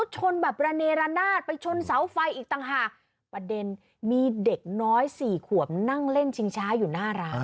ชนแบบระเนรนาศไปชนเสาไฟอีกต่างหากประเด็นมีเด็กน้อยสี่ขวบนั่งเล่นชิงช้าอยู่หน้าร้าน